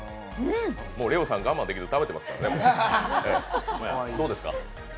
ＬＥＯさん、我慢できず食べてますからね、もう。